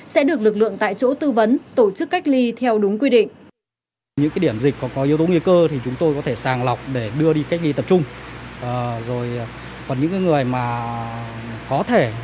sẽ được lực lượng tại chỗ tư vấn tổ chức cách ly theo đúng quy định